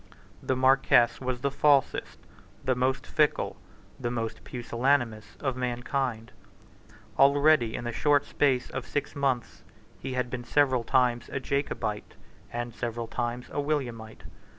The Marquess was the falsest, the most fickle, the most pusillanimous, of mankind. Already, in the short space of six months, he had been several times a Jacobite, and several times a Williamite.